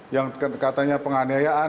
yang katanya penganiayaan